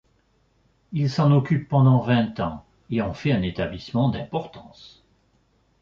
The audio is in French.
Il s'en occupe pendant vingt ans et en fait un établissement d'importance.